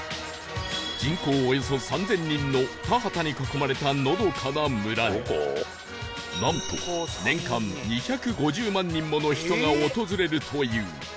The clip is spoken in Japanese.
人口およそ３０００人の田畑に囲まれたのどかな村になんと年間２５０万人もの人が訪れるという